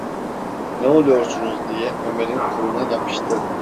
"Ne oluyorsunuz?" diye Ömer’in koluna yapıştı.